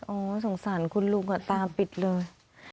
สงสารคุณลุงตาปิดเลย